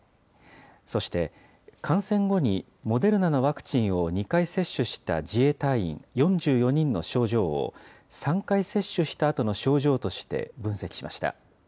そして、感染後にモデルナのワクチンを２回接種した自衛隊員４４人の症状を、３回接種したあとの症状として分析しました。